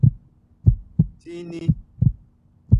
Tii nii.